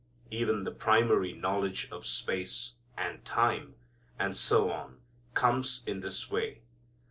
Even the primary knowledge of space, and time, and so on comes in this way.